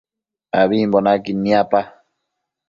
Ambimbo naquid niapa